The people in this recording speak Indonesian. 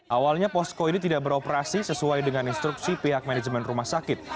awalnya posko ini tidak beroperasi sesuai dengan instruksi pihak manajemen rumah sakit